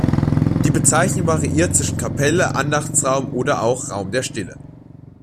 Die Bezeichnung variiert zwischen Kapelle, Andachtsraum oder auch „Raum der Stille“.